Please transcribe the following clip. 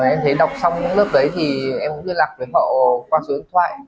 em thấy đọc xong những lớp đấy thì em cũng liên lạc với họ qua số điện thoại